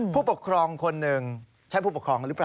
ผู้ปกครองคนหนึ่งใช่ผู้ปกครองหรือเปล่า